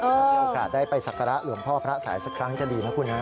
ถ้ามีโอกาสได้ไปสักการะหลวงพ่อพระสายสักครั้งจะดีนะคุณฮะ